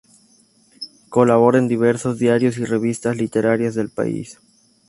Colabora en diversos diarios y revistas literarias del país.